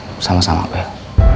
iya sama sama bel